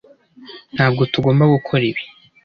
ntabwo tugomba gukora ibi